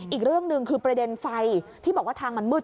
อีกเรื่องหนึ่งคือประเด็นไฟที่บอกว่าทางมันมืด